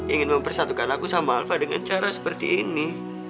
ingin mempersatukan aku sama alfa dengan cara seperti ini